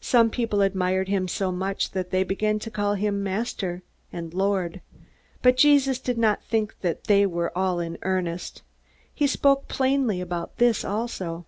Some people admired him so much that they began to call him "Master" and "Lord." But Jesus did not think that they were all in earnest. He spoke plainly about this also.